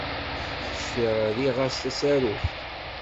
Cfiɣ rriɣ -as tasarut